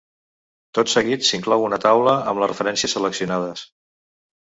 Tot seguit s'inclou una taula amb les referències seleccionades.